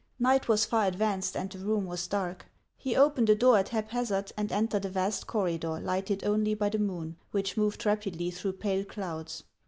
Night was far advanced and the room was dark. He opened a door at haphazard and entered a vast corridor lighted only by the moon, which moved rapidly through pale clouds.